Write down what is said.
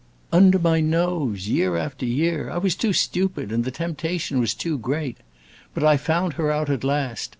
"Under my nose, year after year. I was too stupid, and the temptation was too great. But I found her out at last.